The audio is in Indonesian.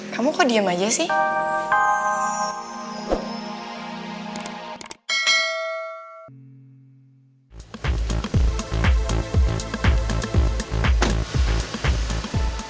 kamu kok diem aja sih